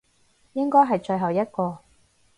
應該係最後一個